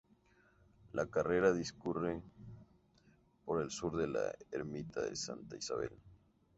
La carretera discurre por el sur de la ermita de Santa Isabel.